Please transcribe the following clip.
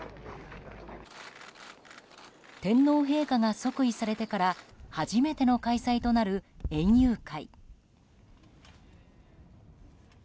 天皇陛下が即位されてから初めての開催となる園遊会。